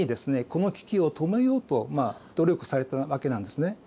この危機を止めようと努力されたわけなんですね。